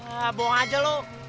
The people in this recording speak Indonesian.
ah bohong aja lu